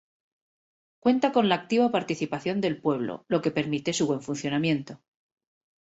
Cuenta con la activa participación del pueblo, lo que permite su buen funcionamiento.